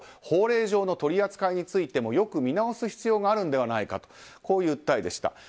法令上の取り扱いについてもよく見直す必要があるのではないかという訴えでした。